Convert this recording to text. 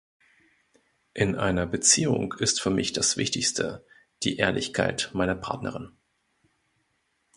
In einer Beziehung ist für mich das Wichtigste, die Ehrlichkeit meiner Partnerin.